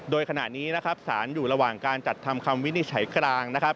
โดยขณะนี้สารอยู่ระหว่างการจัดทำคำวินิจฉัยกลาง